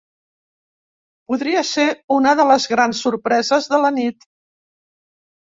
Podria ser una de les grans sorpreses de la nit.